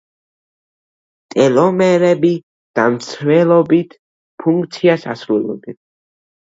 ტელომერები დამცველობით ფუნქციას ასრულებენ.